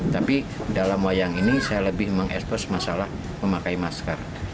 tapi dalam wayang ini saya lebih mengekspos masalah memakai masker